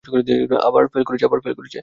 আবার ফেল করেছে।